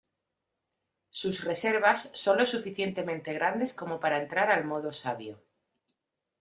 Sus reservas son lo suficientemente grandes como para entrar al Modo Sabio.